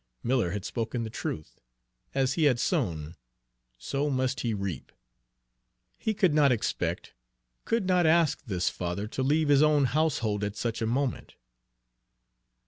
Miller had spoken the truth, as he had sown, so must he reap! He could not expect, could not ask, this father to leave his own household at such a moment.